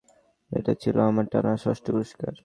এটা ছিল আমার টানা ষষ্ঠ পুরস্কার।